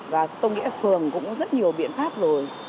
và tôi nghĩ phường cũng có rất nhiều biện pháp rồi